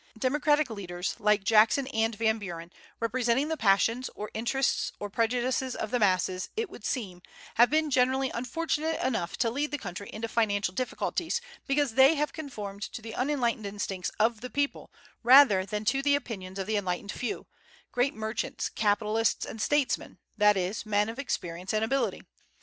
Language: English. Democratic leaders like Jackson and Van Buren, representing the passions or interests or prejudices of the masses, it would seem, have been generally unfortunate enough to lead the country into financial difficulties, because they have conformed to the unenlightened instincts of the people rather than to the opinions of the enlightened few, great merchants, capitalists, and statesmen, that is, men of experience and ability.